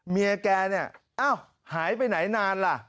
เมียแกเนี่ยอ้าวหายไปไหนนานล่ะ